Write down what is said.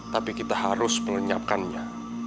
tapi kita harus mengenyapkannya